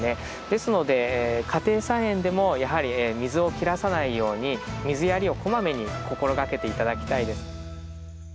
ですので家庭菜園でもやはり水を切らさないように水やりをこまめに心がけて頂きたいです。